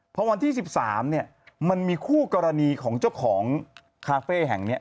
พอวันที่๑๓เนี่ยมันมีคู่กรณีของเจ้าของคาเฟ่แห่งนี้